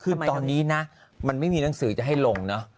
คือตอนนี้นะมันไม่มีหนังสือจะให้ลงเนอะ